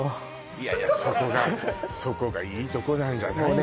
いやいやそこがそこがいいとこなんじゃないの？